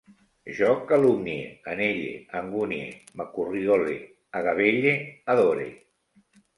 Jo calumnie, anelle, angunie, m'acorriole, agavelle, adore